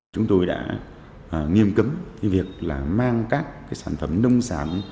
chúng tôi đã nghiêm cấm việc mang các sản phẩm nông sản